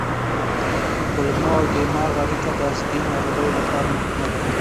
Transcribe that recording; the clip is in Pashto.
کولمو او دماغ اړیکه د عصبي ناروغیو لپاره مهمه ده.